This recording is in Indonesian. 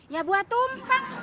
ya buat tumpeng